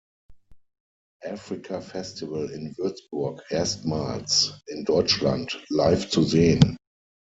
Africa Festival in Würzburg erstmals in Deutschland live zu sehen.